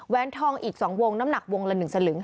ทองอีก๒วงน้ำหนักวงละ๑สลึง